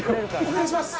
お願いします！